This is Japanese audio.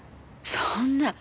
そんな。